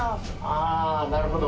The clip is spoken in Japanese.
ああなるほど。